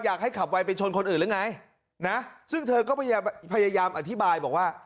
ขับไวไปชนคนอื่นหรือไงนะซึ่งเธอก็พยายามอธิบายบอกว่า